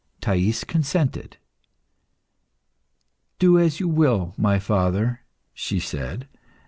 Thais consented. "Do as you will, my father," she said.